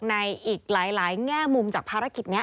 ในอีกหลายแง่มุมจากภารกิจนี้